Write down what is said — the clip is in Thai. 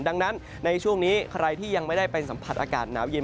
ดังนั้นในช่วงนี้ใครที่ยังไม่ได้ไปสัมผัสอากาศหนาวเย็น